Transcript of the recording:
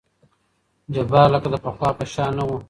جبار لکه د پخوا په شان نه وو.